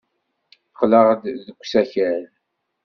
Qqleɣ-d deg usakal.